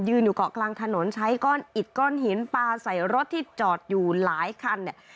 อยู่เกาะกลางถนนใช้ก้อนอิดก้อนหินปลาใส่รถที่จอดอยู่หลายคันเนี่ย